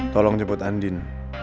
tolong jemput andien